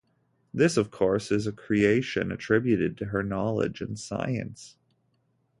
This, of course, is a creation attributed to her knowledge in science.